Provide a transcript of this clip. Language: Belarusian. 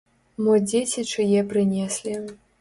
Мо дзеці чые прынеслі.